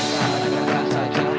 bukanlah katakan saja